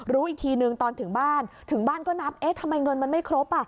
รู้อีกทีนึงตอนถึงบ้านถึงบ้านก็นับเอ๊ะทำไมเงินมันไม่ครบ